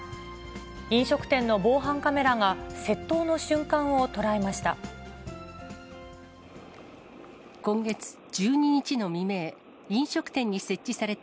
飲食店の防犯カメラが、窃盗の瞬間を捉えました。